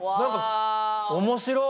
面白い。